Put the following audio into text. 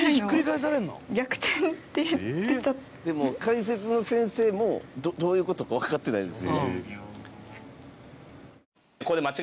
高橋：解説の先生もどういう事かわかってないです。